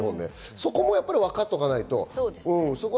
そこもわかっておかないと。